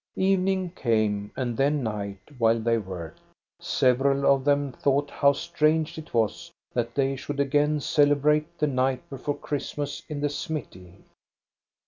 Evening came and then night, while they worked. Several of them thought, how strange it was that they should again celebrate the night before Christ mas in the smithy.